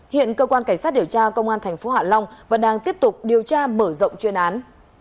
hiện cơ quan cảnh sát điều tra công an tp hạ long vẫn đang tiếp tục điều tra mở rộng chuyên án